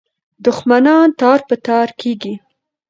دښمنان تار په تار کېږي.